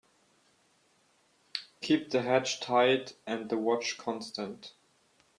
Keep the hatch tight and the watch constant.